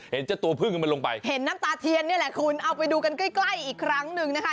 เห็นเจ้าตัวพึ่งมันลงไปเห็นน้ำตาเทียนนี่แหละคุณเอาไปดูกันใกล้ใกล้อีกครั้งหนึ่งนะคะ